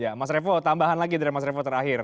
ya mas revo tambahan lagi dari mas revo terakhir